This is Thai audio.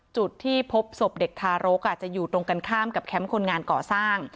จุดที่พบศพเด็กทารกจะอยู่ตรงกันข้ามกับแคมป์คนงานก่อสร้าง